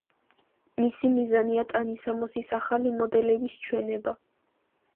მისი მიზანია ტანისამოსის ახალი მოდელების ჩვენება.